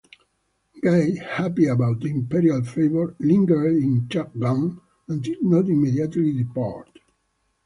Gai, happy about the imperial favor, lingered in Chang'an and did not immediately depart.